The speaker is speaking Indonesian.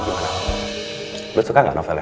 bang juna rap fatah lu suka nggak novel nya